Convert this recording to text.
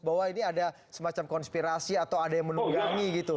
bahwa ini ada semacam konspirasi atau ada yang menunggangi gitu